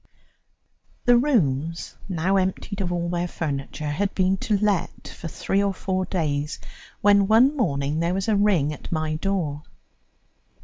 The rooms, now emptied of all their furniture, had been to let for three or four days when one morning there was a ring at my door.